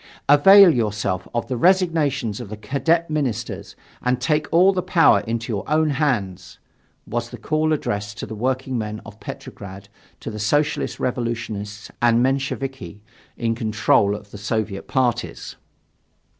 "Avail yourselves of the resignations of the Cadet ministers and take all the power into your own hands!" was the call addressed by the workingmen of Petrograd to the Socialist Revolutionists and Mensheviki in control of the Soviet parties.